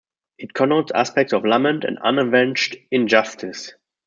It connotes aspects of lament and unavenged injustice.